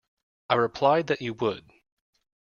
I replied that you would.